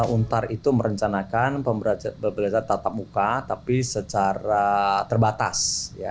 untar itu merencanakan pembelajaran tatap muka tapi secara terbatas